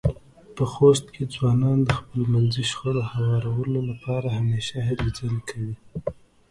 په خوست کې ځوانان د خپلمنځې شخړو خوارولو لپاره همېشه هلې ځلې کوي.